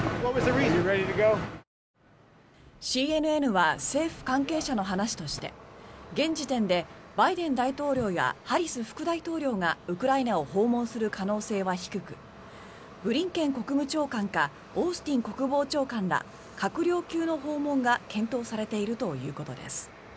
ＣＮＮは政府関係者の話として現時点でバイデン大統領やハリス副大統領がウクライナを訪問する可能性は低くブリンケン国務長官かオースティン国務長官ら閣僚級の訪問が検討されているということです。